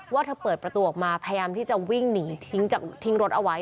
ว่าเธอเปิดประตูออกมาพยายามที่จะวิ่งหนีทิ้งรถเอาไว้